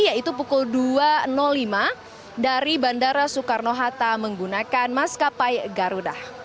yaitu pukul dua lima dari bandara soekarno hatta menggunakan maskapai garuda